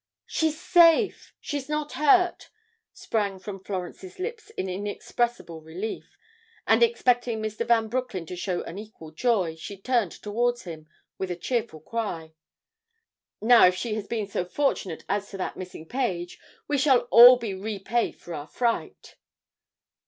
"She's safe! She's not hurt!" sprang from Florence's lips in inexpressible relief; and expecting Mr. Van Broecklyn to show an equal joy, she turned towards him, with the cheerful cry, "Now if she has been so fortunate as to that missing page, we shall all be repaid for our fright."